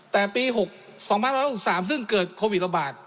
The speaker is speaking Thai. แต่ปี๒๑๖๓ซึ่งเกิดโควิดระบาด